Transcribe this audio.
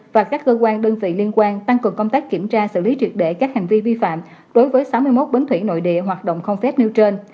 và các cơ quan đơn vị liên quan tăng cường công tác kiểm tra xử lý triệt để các hành vi vi phạm đối với sáu mươi một bến thủy nội địa hoạt động không phép nêu trên